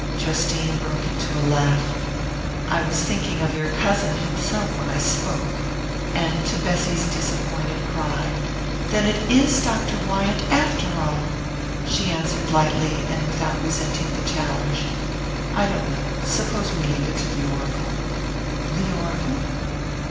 Justine broke into a laugh. "I was thinking of your cousin himself when I spoke." And to Bessy's disappointed cry "Then it is Dr. Wyant, after all?" she answered lightly, and without resenting the challenge: "I don't know. Suppose we leave it to the oracle." "The oracle?"